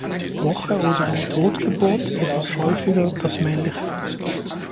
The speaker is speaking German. Woche oder eine Totgeburt etwas häufiger das männliche.